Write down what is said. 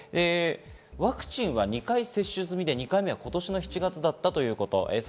ワクチンは２回接種済みで２回目は今年７月だったということです。